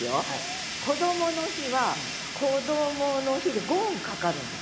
こどもの日は「こどもの日」で５音かかるんですよ。